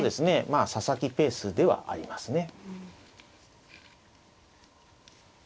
まあ佐々木ペースではありますね。